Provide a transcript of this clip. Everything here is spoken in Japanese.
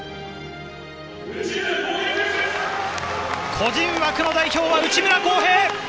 個人枠の代表は内村航平。